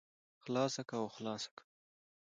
خلاصه که او خلاصه که.